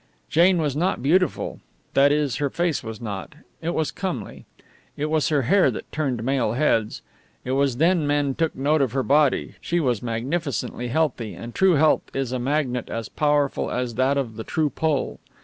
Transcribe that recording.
Jane was not beautiful; that is, her face was not it was comely. It was her hair that turned male heads. It was then men took note of her body. She was magnificently healthy, and true health is a magnet as powerful as that of the true pole.